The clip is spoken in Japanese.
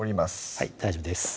はい大丈夫です